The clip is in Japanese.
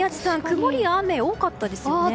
曇りや雨が多かったですよね。